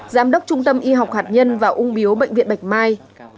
giám đốc trung tâm y học hạt nhân và ung biếu bệnh viện bạch mai